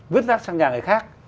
vứt rác sang nhà người khác